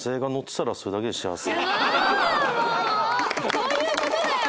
そういう事だよ！